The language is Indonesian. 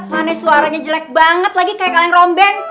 manis suaranya jelek banget lagi kayak kaleng rombeng